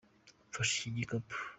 Mfasha iki gikapu.